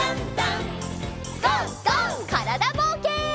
からだぼうけん。